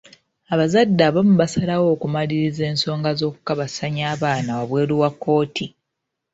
Abazadde abamu basalawo okumalira ensonga z'okukabasanya abaana wabweru wa kkooti.